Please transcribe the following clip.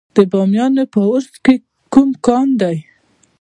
د بامیان په ورس کې کوم کان دی؟